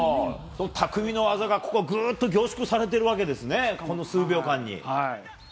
たくみの技がここ、ぐーっと凝縮されてるわけですね、この数秒間に。